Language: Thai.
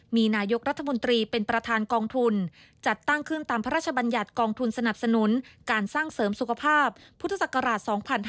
มีนายกรัฐมนตรีเป็นประธานกองทุนจัดตั้งขึ้นตามพระราชบัญญัติกองทุนสนับสนุนการสร้างเสริมสุขภาพพุทธศักราช๒๕๕๙